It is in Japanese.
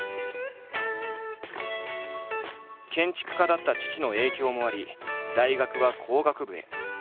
建築家だった父の影響もあり大学は工学部へ。